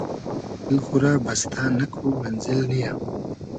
دیل خو رۂ بستۂ نئکو مئنزیل نییۂ